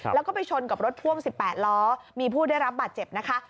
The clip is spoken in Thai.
แล้วก็ไปชนกับรถพ่วง๑๘ล้อมีผู้ได้รับบาดเจ็บนะคะ